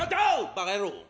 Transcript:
バカ野郎。